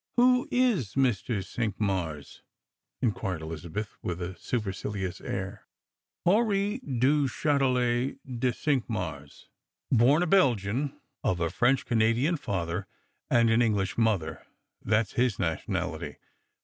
" Who is Mr. Cinqmars P " inquired EUzabeth with a super jilious air. " Henri du Chatelet de Cinqmars. Bom a Belgian, of a French Canadian father and an English mother — that's his nationality.